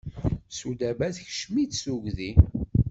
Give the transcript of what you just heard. Sudaba tekcem-itt tugdi.